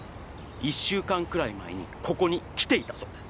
１週間くらい前にここに来ていたそうです。